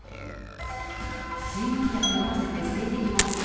睡眠薬飲ませて性的暴行。